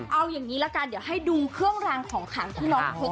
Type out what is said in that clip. เอาอย่างนี้ละกันเดี๋ยวให้ดูเครื่องรางของขังที่น้องพก